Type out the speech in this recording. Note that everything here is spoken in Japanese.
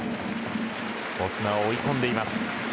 オスナを追い込んでいます。